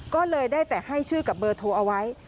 ก็เลยได้แต่ให้ชื่อกับเบอร์โทรเอาไว้